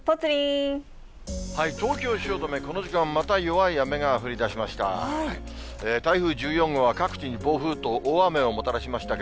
東京・汐留、この時間、また弱い雨が降りだしました。